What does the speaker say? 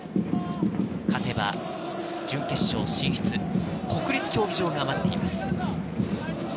勝てば準決勝進出、国立競技場が待っています。